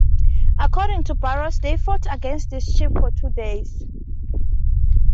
According to Barros, they fought against this ship for two days.